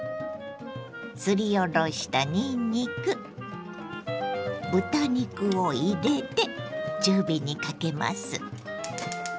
すりおろしたにんにく豚肉を入れて中火にかけます。